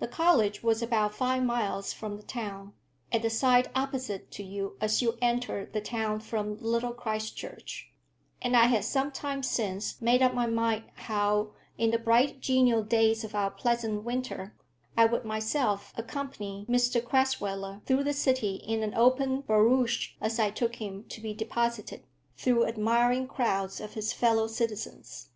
The college was about five miles from the town, at the side opposite to you as you enter the town from Little Christchurch, and I had some time since made up my mind how, in the bright genial days of our pleasant winter, I would myself accompany Mr Crasweller through the city in an open barouche as I took him to be deposited, through admiring crowds of his fellow citizens.